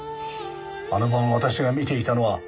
あの晩私が見ていたのは。